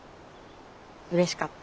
うれしかった。